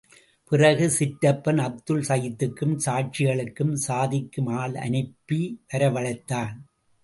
பிறகு, சிற்றப்பன் அப்துல் சைதுக்கும், சாட்சிகளுக்கும், சாதிக்கும் ஆள் அனுப்பி வரவழைத்தான்.